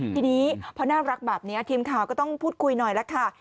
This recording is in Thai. ทีนี้พอน่ารักแบบนี้ทีมข่าวก็ต้องพูดคุยหน่อยแล้วค่ะ